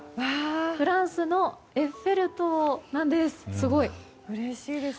フランスのエッフェル塔なんです。